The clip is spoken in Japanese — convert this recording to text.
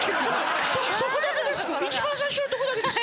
そこだけですか？